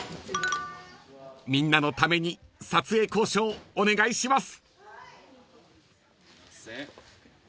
［みんなのために撮影交渉お願いします］